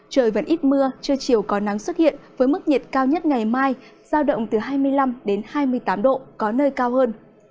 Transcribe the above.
trời vẫn ít mưa chưa chiều có nắng xuất hiện với mức nhiệt cao nhất ngày mai giao động từ hai mươi năm hai mươi tám độ có nơi cao hơn